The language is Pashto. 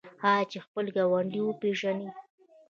آیا چې خپل ګاونډی وپیژني؟